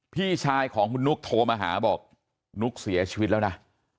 พี่ชายของคุณนุ๊กโทรมาหาบอกนุ๊กเสียชีวิตแล้วนะ